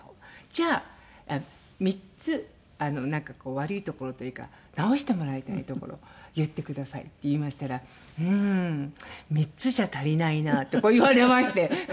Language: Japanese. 「じゃあ３つなんかこう悪いところというか直してもらいたいところ言ってください」って言いましたら「うーん３つじゃ足りないな」ってこう言われまして。